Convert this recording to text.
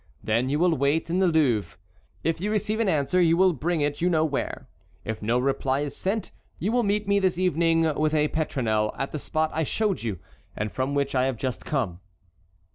Then you will wait in the Louvre. If you receive an answer, you will bring it you know where; if no reply is sent, you will meet me this evening with a petronel at the spot I showed you, and from which I have just come."